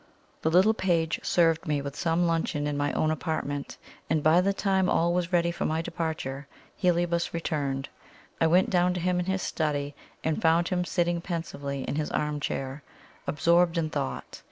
The little page served me with some luncheon in my own apartment, and by the time all was ready for my departure, Heliobas returned. I went down to him in his study, and found him sitting pensively in his arm chair, absorbed in thought.